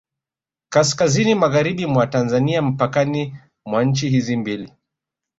Kaskazini magharibi mwa Tanzania mpakani mwa nchi hizi mbili